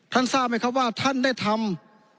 ทราบไหมครับว่าท่านได้ทำ